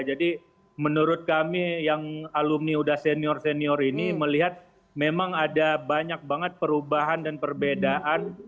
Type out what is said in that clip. jadi menurut kami yang alumni udah senior senior ini melihat memang ada banyak banget perubahan dan perbedaan